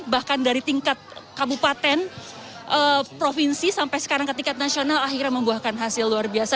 bahkan dari tingkat kabupaten provinsi sampai sekarang ke tingkat nasional akhirnya membuahkan hasil luar biasa